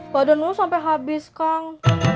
badan lu sampai habis kang